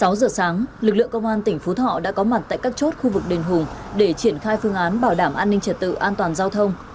sáu giờ sáng lực lượng công an tỉnh phú thọ đã có mặt tại các chốt khu vực đền hùng để triển khai phương án bảo đảm an ninh trật tự an toàn giao thông